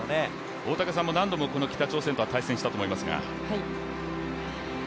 大竹さんも何度も北朝鮮とは対戦したと思いますが。